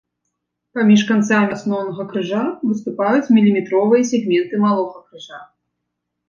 Паміж канцамі асноўнага крыжа выступаюць міліметровыя сегменты малога крыжа.